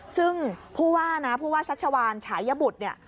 ซึ่งผู้ว่านะผู้ว่าชัชวานฉายบุตรเนี่ย